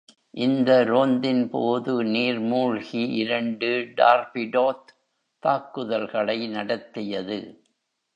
இந்த ரோந்தின்போது நீர்மூழ்கி இரண்டு டார்பிடோத் தாக்குதல்களை நடத்தியது.